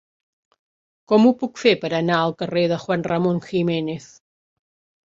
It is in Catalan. Com ho puc fer per anar al carrer de Juan Ramón Jiménez?